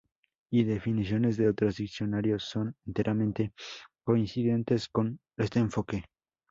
Y definiciones de otros diccionarios son enteramente coincidentes con este enfoque.